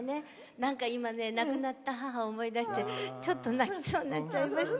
なんか、今、亡くなった母を思い出して、ちょっと泣きそうになっちゃいました。